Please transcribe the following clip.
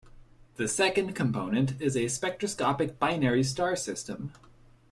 The second component is a spectroscopic binary star system.